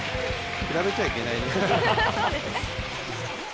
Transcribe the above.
比べちゃいけないね。